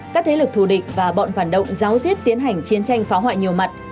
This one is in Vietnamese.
các thế lực thù địch và bọn phản động giáo diết tiến hành chiến tranh phá hoại nhiều mặt